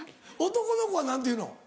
男の子は何て言うの？